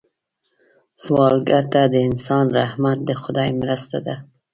سوالګر ته د انسان رحمت د خدای مرسته ده